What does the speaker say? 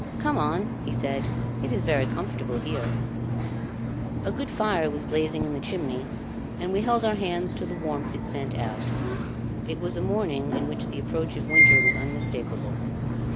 "Come on," he said, "it is very comfortable here." A good fire was blazing in the chimney, and we held our hands to the warmth it sent out; it was a morning in which the approach of winter was unmistakable.